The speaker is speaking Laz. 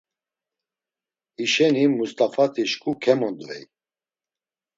Hişeni Must̆afati şǩu kemondvey.